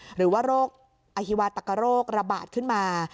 หรือว่าโรคอฮิวาตักกะโรคระบาดขึ้นมา